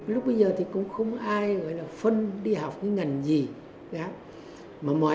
lúc bây giờ thì cũng không ai gọi là phân điện thoại